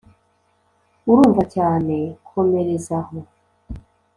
urumva cyane komereza ho.